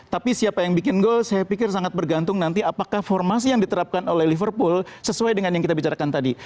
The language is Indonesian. tapi siapa yang bikin gol saya pikir sangat bergantung nanti apakah formasi yang diterapkan oleh liverpool sesuai dengan yang kita bicarakan tadi